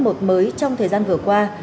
mới trong thời gian vừa qua